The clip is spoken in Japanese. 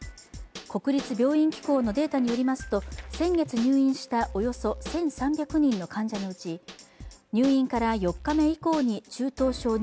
国立病院機構のデータによりますと先月入院したおよそ１３００人の患者のうち入院から４日目以降に中等症